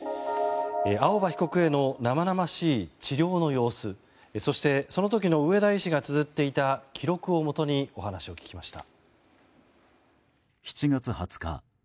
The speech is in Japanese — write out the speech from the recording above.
青葉被告への生々しい治療の様子そしてその時の上田医師がつづっていた記録をもとにお話を聞きました。